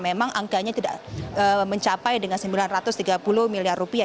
memang angkanya tidak mencapai dengan sembilan ratus tiga puluh miliar rupiah